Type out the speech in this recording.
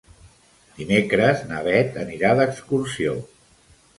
Dimecres na Beth anirà d'excursió.